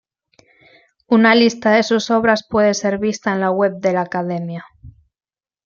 Una lista de sus obras puede ser lista en la web de la Academia.